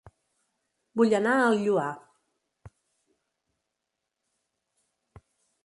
Vull anar a El Lloar